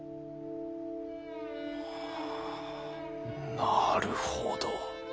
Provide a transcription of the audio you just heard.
なるほど。